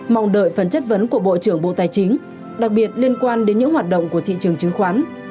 mong đợi phần chất vấn của bộ trưởng bộ tài chính đặc biệt liên quan đến những hoạt động của thị trường chứng khoán